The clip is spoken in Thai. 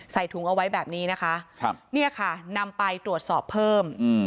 ใส่ถุงเอาไว้แบบนี้นะคะครับเนี่ยค่ะนำไปตรวจสอบเพิ่ม